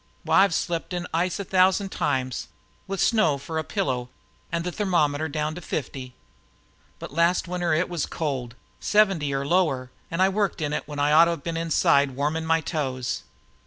Why, I've slept in ice a thousand times, with snow for a pillow and the thermometer down to fifty. But this last winter it was cold, seventy or lower, an' I worked in it when I ought to have been inside, warming my toes.